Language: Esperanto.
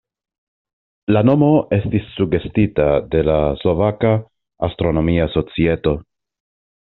La nomo estis sugestita de la Slovaka Astronomia Societo.